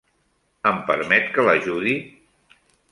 Em permet que l'ajudi?